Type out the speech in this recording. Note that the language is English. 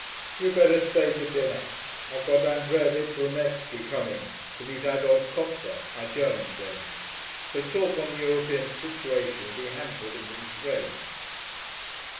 'You'd better stay to dinner. I've got Andreiovitch Romevsky coming, to meet Adolf Kopfer, our German friend, so talk on the European situation will be hampered and constrained.'